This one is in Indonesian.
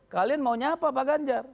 kalian maunya apa pak ganjar